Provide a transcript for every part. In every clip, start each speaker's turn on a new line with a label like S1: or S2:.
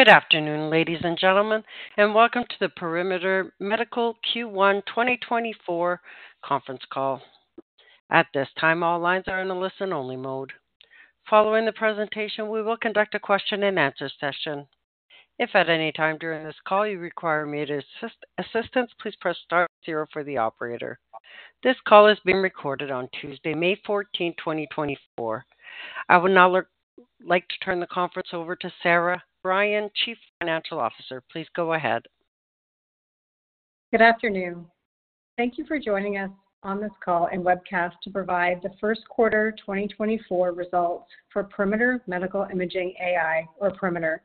S1: Good afternoon, ladies and gentlemen, and welcome to the Perimeter Medical Q1 2024 conference call. At this time, all lines are in a listen-only mode. Following the presentation, we will conduct a question-and-answer session. If at any time during this call you require immediate assistance, please press star zero for the operator. This call is being recorded on Tuesday, May 14th, 2024. I would now like to turn the conference over to Sarah Byram, Chief Financial Officer. Please go ahead.
S2: Good afternoon. Thank you for joining us on this call and webcast to provide the first quarter 2024 results for Perimeter Medical Imaging AI, or Perimeter.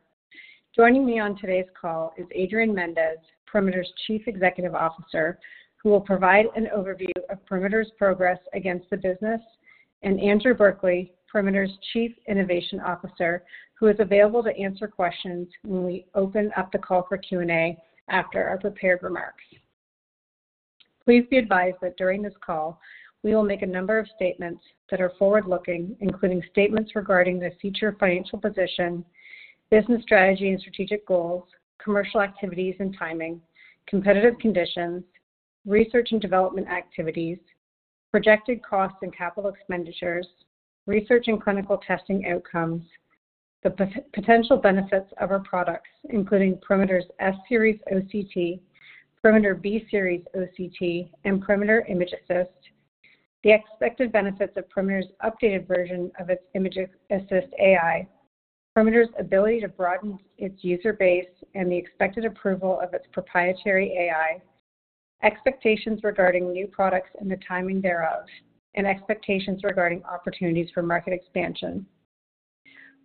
S2: Joining me on today's call is Adrian Mendes, Perimeter's Chief Executive Officer, who will provide an overview of Perimeter's progress against the business, and Andrew Berkeley, Perimeter's Chief Innovation Officer, who is available to answer questions when we open up the call for Q&A after our prepared remarks. Please be advised that during this call, we will make a number of statements that are forward-looking, including statements regarding the future financial position, business strategy, and strategic goals, commercial activities and timing, competitive conditions, research and development activities, projected costs and capital expenditures, research and clinical testing outcomes, the potential benefits of our products, including Perimeter's S-Series OCT, Perimeter B-Series OCT, and Perimeter ImgAssist, the expected benefits of Perimeter's updated version of its ImgAssist AI, Perimeter's ability to broaden its user base, and the expected approval of its proprietary AI, expectations regarding new products and the timing thereof, and expectations regarding opportunities for market expansion.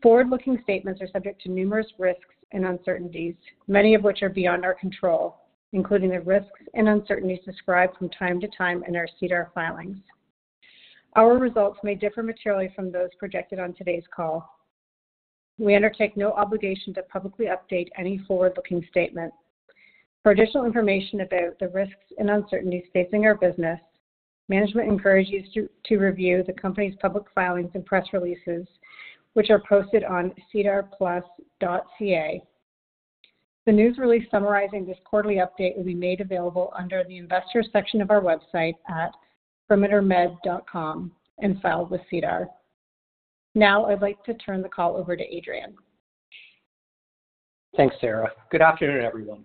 S2: Forward-looking statements are subject to numerous risks and uncertainties, many of which are beyond our control, including the risks and uncertainties described from time to time in our SEDAR filings. Our results may differ materially from those projected on today's call. We undertake no obligation to publicly update any forward-looking statement. For additional information about the risks and uncertainties facing our business, management encourages you to review the company's public filings and press releases, which are posted on sedarplus.ca. The news release summarizing this quarterly update will be made available under the Investors section of our website at perimetermed.com and filed with SEDAR+. Now I'd like to turn the call over to Adrian.
S3: Thanks, Sarah. Good afternoon, everyone.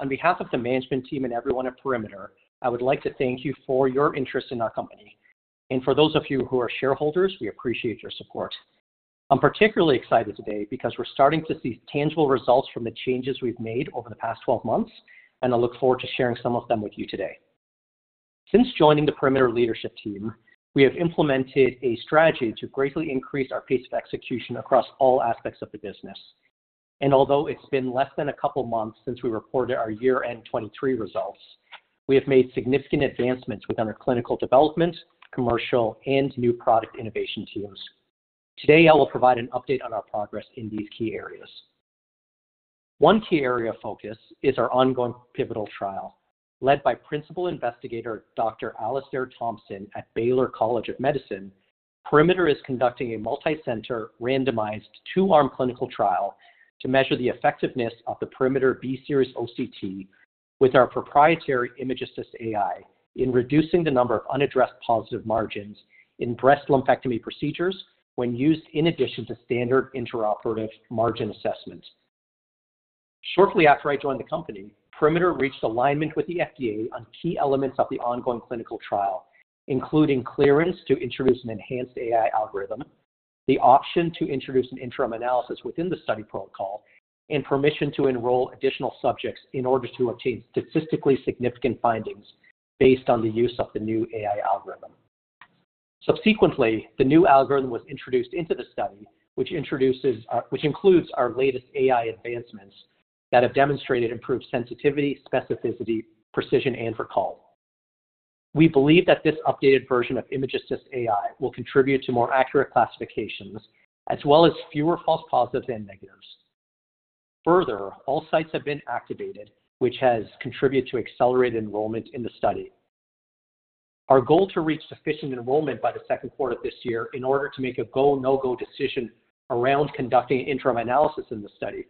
S3: On behalf of the management team and everyone at Perimeter, I would like to thank you for your interest in our company, and for those of you who are shareholders, we appreciate your support. I'm particularly excited today because we're starting to see tangible results from the changes we've made over the past 12 months, and I look forward to sharing some of them with you today. Since joining the Perimeter leadership team, we have implemented a strategy to greatly increase our pace of execution across all aspects of the business. Although it's been less than a couple of months since we reported our year-end 2023 results, we have made significant advancements with our clinical development, commercial, and new product innovation teams. Today, I will provide an update on our progress in these key areas. One key area of focus is our ongoing pivotal trial, led by Principal Investigator Dr. Alastair Thompson at Baylor College of Medicine. Perimeter is conducting a multi-center, randomized, two-arm clinical trial to measure the effectiveness of the Perimeter B-Series OCT with our proprietary ImgAssist AI in reducing the number of unaddressed positive margins in breast lumpectomy procedures when used in addition to standard intraoperative margin assessment. Shortly after I joined the company, Perimeter reached alignment with the FDA on key elements of the ongoing clinical trial, including clearance to introduce an enhanced AI algorithm, the option to introduce an interim analysis within the study protocol, and permission to enroll additional subjects in order to obtain statistically significant findings based on the use of the new AI algorithm. Subsequently, the new algorithm was introduced into the study, which introduces, which includes our latest AI advancements that have demonstrated improved sensitivity, specificity, precision, and recall. We believe that this updated version of ImgAssist AI will contribute to more accurate classifications, as well as fewer false positives and negatives. Further, all sites have been activated, which has contributed to accelerated enrollment in the study. Our goal to reach sufficient enrollment by the second quarter of this year in order to make a go, no-go decision around conducting interim analysis in the study.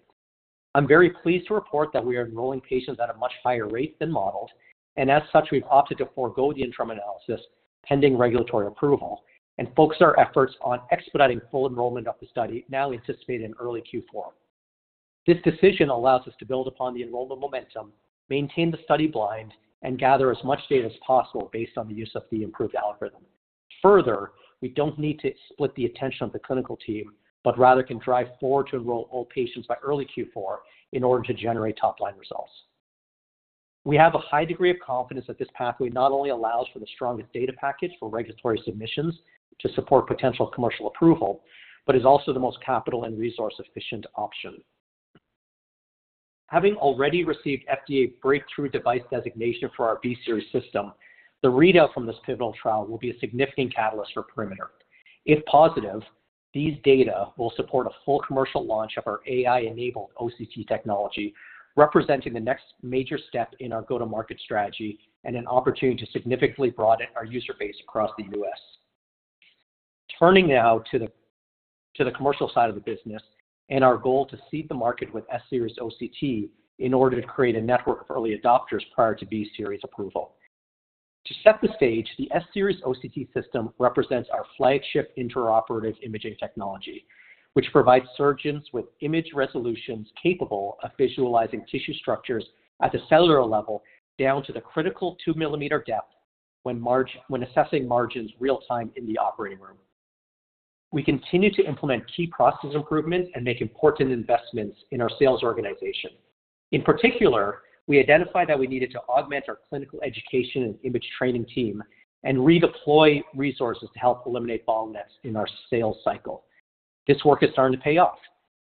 S3: I'm very pleased to report that we are enrolling patients at a much higher rate than modeled, and as such, we've opted to forgo the interim analysis pending regulatory approval and focus our efforts on expediting full enrollment of the study, now anticipated in early Q4. This decision allows us to build upon the enrollment momentum, maintain the study blind, and gather as much data as possible based on the use of the improved algorithm. Further, we don't need to split the attention of the clinical team, but rather can drive forward to enroll all patients by early Q4 in order to generate top-line results. We have a high degree of confidence that this pathway not only allows for the strongest data package for regulatory submissions to support potential commercial approval, but is also the most capital and resource-efficient option. Having already received FDA Breakthrough Device Designation for our B-Series system, the readout from this pivotal trial will be a significant catalyst for Perimeter. If positive, these data will support a full commercial launch of our AI-enabled OCT technology, representing the next major step in our go-to-market strategy and an opportunity to significantly broaden our user base across the U.S.... Turning now to the commercial side of the business and our goal to seed the market with S-Series OCT in order to create a network of early adopters prior to B-Series approval. To set the stage, the S-Series OCT system represents our flagship intraoperative imaging technology, which provides surgeons with image resolutions capable of visualizing tissue structures at the cellular level, down to the critical 2-millimeter depth when assessing margins real-time in the operating room. We continue to implement key process improvements and make important investments in our sales organization. In particular, we identified that we needed to augment our clinical education and image training team and redeploy resources to help eliminate bottlenecks in our sales cycle. This work is starting to pay off.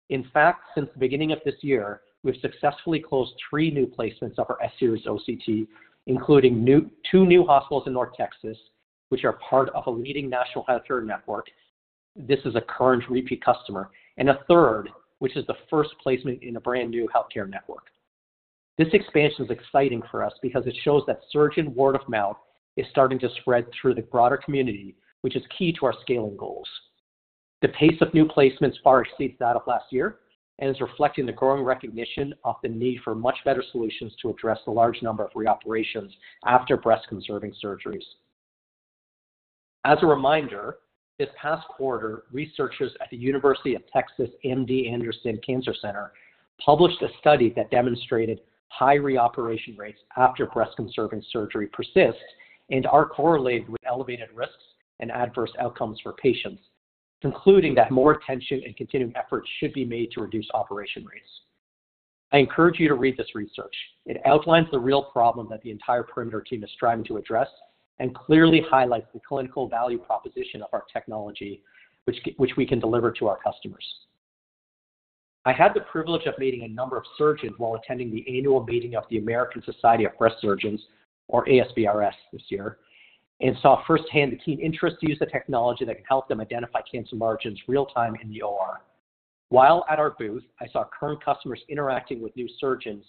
S3: In fact, since the beginning of this year, we've successfully closed 3 new placements of our S-Series OCT, including 2 new hospitals in North Texas, which are part of a leading national health care network. This is a current repeat customer, and a third, which is the first placement in a brand new healthcare network. This expansion is exciting for us because it shows that surgeon word of mouth is starting to spread through the broader community, which is key to our scaling goals. The pace of new placements far exceeds that of last year and is reflecting the growing recognition of the need for much better solutions to address the large number of reoperations after breast-conserving surgeries. As a reminder, this past quarter, researchers at The University of Texas MD Anderson Cancer Center published a study that demonstrated high reoperation rates after breast-conserving surgery persist and are correlated with elevated risks and adverse outcomes for patients, concluding that more attention and continuing efforts should be made to reduce operation rates. I encourage you to read this research. It outlines the real problem that the entire Perimeter team is striving to address and clearly highlights the clinical value proposition of our technology, which we can deliver to our customers. I had the privilege of meeting a number of surgeons while attending the annual meeting of the American Society of Breast Surgeons, or ASBrS this year, and saw firsthand the keen interest to use the technology that can help them identify cancer margins real time in the OR. While at our booth, I saw current customers interacting with new surgeons,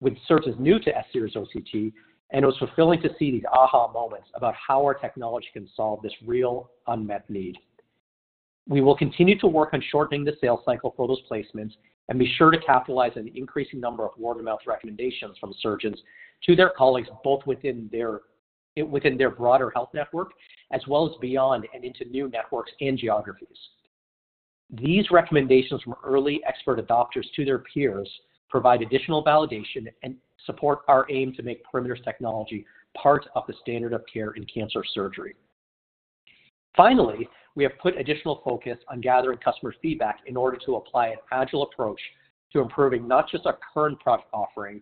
S3: with surgeons new to S-Series OCT, and it was fulfilling to see these aha moments about how our technology can solve this real unmet need. We will continue to work on shortening the sales cycle for those placements and be sure to capitalize on the increasing number of word-of-mouth recommendations from surgeons to their colleagues, both within their broader health network, as well as beyond and into new networks and geographies. These recommendations from early expert adopters to their peers provide additional validation and support our aim to make Perimeter's technology part of the standard of care in cancer surgery. Finally, we have put additional focus on gathering customer feedback in order to apply an agile approach to improving not just our current product offering,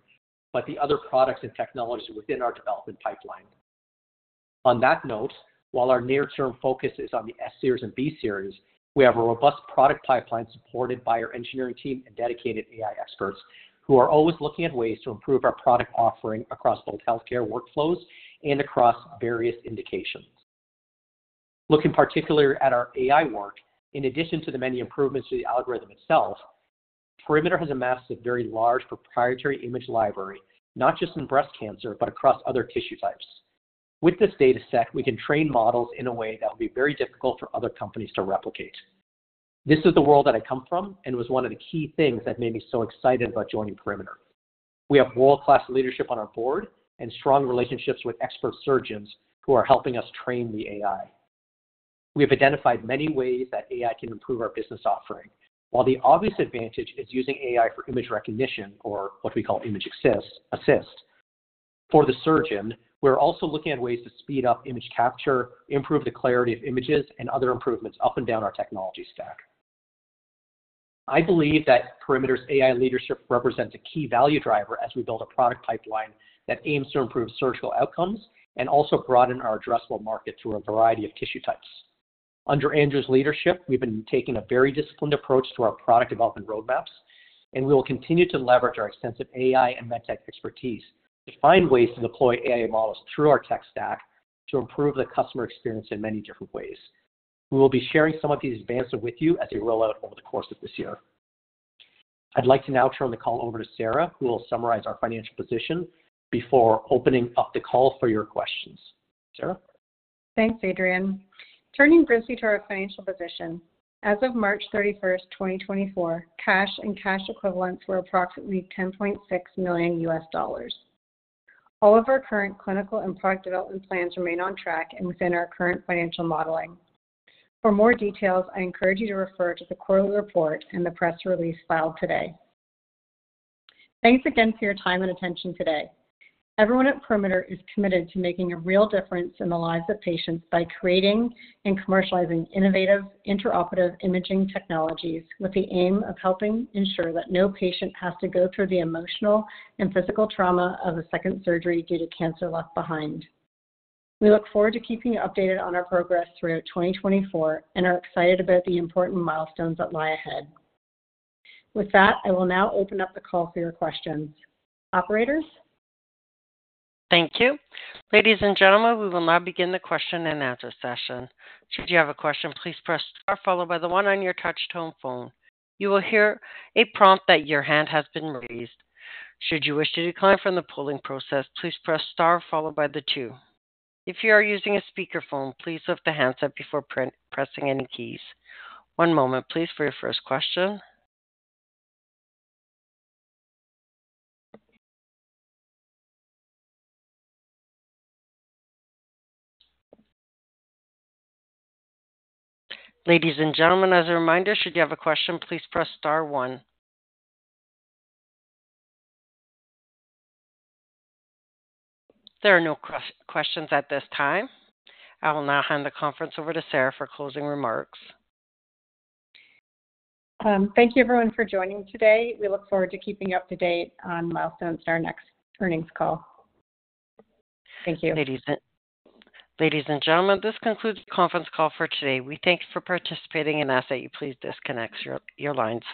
S3: but the other products and technologies within our development pipeline. On that note, while our near-term focus is on the S-Series and B-Series, we have a robust product pipeline supported by our engineering team and dedicated AI experts, who are always looking at ways to improve our product offering across both healthcare workflows and across various indications. Looking particularly at our AI work, in addition to the many improvements to the algorithm itself, Perimeter has amassed a very large proprietary image library, not just in breast cancer, but across other tissue types. With this data set, we can train models in a way that will be very difficult for other companies to replicate. This is the world that I come from and was one of the key things that made me so excited about joining Perimeter. We have world-class leadership on our board and strong relationships with expert surgeons who are helping us train the AI. We have identified many ways that AI can improve our business offering. While the obvious advantage is using AI for image recognition, or what we call ImgAssist. For the surgeon, we're also looking at ways to speed up image capture, improve the clarity of images, and other improvements up and down our technology stack. I believe that Perimeter's AI leadership represents a key value driver as we build a product pipeline that aims to improve surgical outcomes and also broaden our addressable market to a variety of tissue types. Under Andrew's leadership, we've been taking a very disciplined approach to our product development roadmaps, and we will continue to leverage our extensive AI and med tech expertise to find ways to deploy AI models through our tech stack to improve the customer experience in many different ways. We will be sharing some of these advances with you as we roll out over the course of this year. I'd like to now turn the call over to Sarah, who will summarize our financial position before opening up the call for your questions. Sarah?
S2: Thanks, Adrian. Turning briefly to our financial position, as of March 31, 2024, cash and cash equivalents were approximately $10.6 million. All of our current clinical and product development plans remain on track and within our current financial modeling. For more details, I encourage you to refer to the quarterly report and the press release filed today. Thanks again for your time and attention today. Everyone at Perimeter is committed to making a real difference in the lives of patients by creating and commercializing innovative intraoperative imaging technologies, with the aim of helping ensure that no patient has to go through the emotional and physical trauma of a second surgery due to cancer left behind. We look forward to keeping you updated on our progress throughout 2024 and are excited about the important milestones that lie ahead. With that, I will now open up the call for your questions. Operators?
S1: Thank you. Ladies and gentlemen, we will now begin the question and answer session. Should you have a question, please press star, followed by the 1 on your touch tone phone. You will hear a prompt that your hand has been raised. Should you wish to decline from the polling process, please press star followed by the 2. If you are using a speakerphone, please lift the handset before pressing any keys. One moment, please, for your first question. Ladies and gentlemen, as a reminder, should you have a question, please press star 1. There are no questions at this time. I will now hand the conference over to Sarah for closing remarks.
S2: Thank you, everyone, for joining today. We look forward to keeping you up to date on milestones on our next earnings call. Thank you.
S1: Ladies and gentlemen, this concludes the conference call for today. We thank you for participating and ask that you please disconnect your lines.